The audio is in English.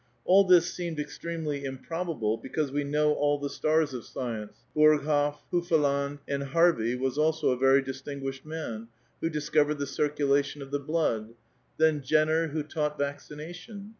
All this seemed extremely improhable, because we know all the stars of science, — Burg hiif, Ilufvland ; and Harvey was also a very distinguished man, who discovered the circulation of the blood ; then Jenner, who taught vaccination.